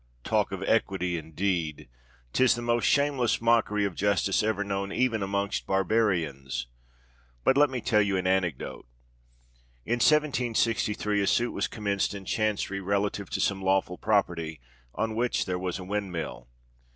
Talk of Equity indeed! 'tis the most shameless mockery of justice ever known even amongst barbarians. But let me tell you an anecdote? In 1763, a suit was commenced in Chancery relative to some lawful property on which there was a windmill.